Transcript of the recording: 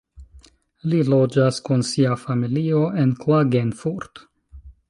Li loĝas kun sia familio en Klagenfurt.